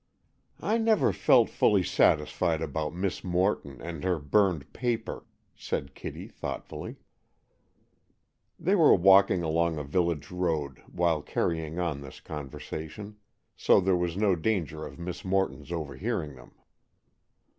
"I never felt fully satisfied about Miss Morton and her burned paper," said Kitty thoughtfully. They were walking along a village road while carrying on this conversation, so there was no danger of Miss Morton's overhearing them.